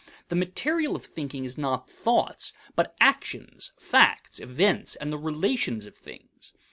The material of thinking is not thoughts, but actions, facts, events, and the relations of things.